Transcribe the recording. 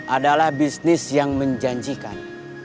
adalah bisnis yang menjanjikan